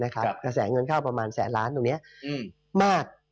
กระแสเงินเข้าประมาณแสนล้านตรงนี้มาก